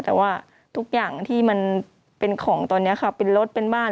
แต่ว่าทุกอย่างที่มันเป็นของตอนนี้ค่ะเป็นรถเป็นบ้าน